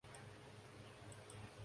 যা গিয়ে সিনেমা দেখ।